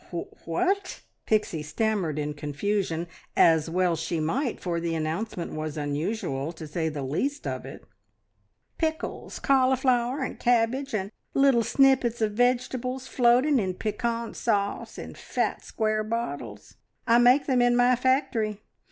"Wh what?" Pixie stammered in confusion, as well she might, for the announcement was unusual, to say the least of it. "Pickles! Cauliflower, and cabbage, and little snippets of vegetables floating in piquant sauce, in fat, square bottles. I make them in my factory.